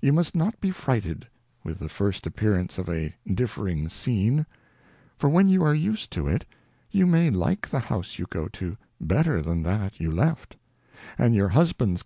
You must not be frighted with the first Appearances of a differing Scene ; for when you are used to it, you may like the House you go to, better than that you left ; and your Husband's.